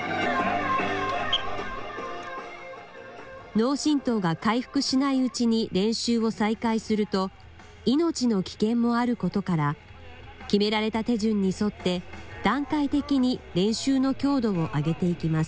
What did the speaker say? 脳震とうが回復しないうちに練習を再開すると、命の危険もあることから、決められた手順に沿って段階的に練習の強度を上げていきます。